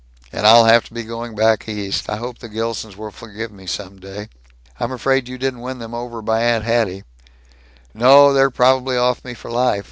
"And I'll have to be going back East. I hope the Gilsons will forgive me, some day." "I'm afraid you didn't win them over by Aunt Hatty!" "No. They're probably off me for life.